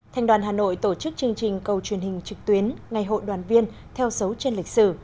thành đoàn hà nội tổ chức chương trình cầu truyền hình trực tuyến ngày hội đoàn viên theo dấu trên lịch sử